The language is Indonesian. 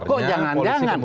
loh kok jangan jangan